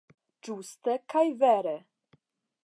Ĝuste kaj vere.